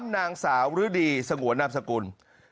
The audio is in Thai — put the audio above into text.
นางสาวฤดีสงวนนามสกุล